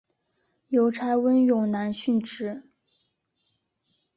邮差温勇男殉职。